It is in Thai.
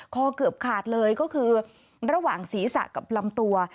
เกือบขาดเลยก็คือระหว่างศีรษะกับลำตัว